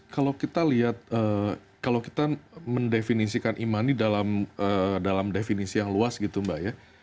kalau kita lihat kalau kita mendefinisikan e money dalam definisi yang luas gitu mbak ya